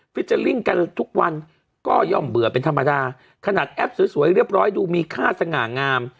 เจอร์ลิ่งกันทุกวันก็ย่อมเบื่อเป็นธรรมดาขนาดแอปสวยเรียบร้อยดูมีค่าสง่างาม